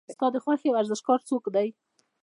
ستا د خوښې ورزشکار څوک دی؟